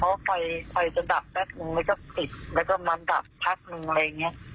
เพราะว่าไฟไฟจะดับแป๊บหนึ่งแล้วก็ติดแล้วก็มันดับแป๊บหนึ่งอะไรอย่างเงี้ย